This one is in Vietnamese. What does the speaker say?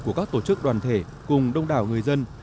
của các tổ chức đoàn thể cùng đông đảo người dân